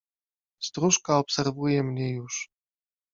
Stróżka obserwuje mnie już.